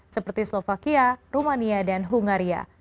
seperti slovakia rumania dan hungaria